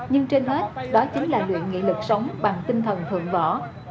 nhưng trên hết đó chính là luyện nghị lực sống bằng tinh thần thượng võ